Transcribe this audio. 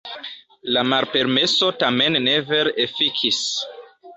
La malpermeso tamen ne vere efikis.